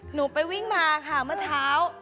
หนูไปวิ่งมาค่ะเมื่อเช้า